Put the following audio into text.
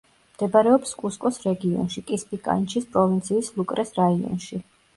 მდებარეობს კუსკოს რეგიონში, კისპიკანჩის პროვინციის ლუკრეს რაიონში.